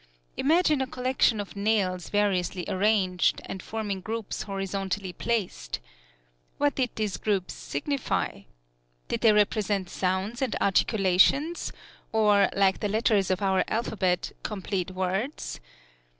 Imagine a collection of nails variously arranged, and forming groups horizontally placed. What did these groups signify? Did they represent sounds and articulations, or, like the letters of our alphabet, complete words?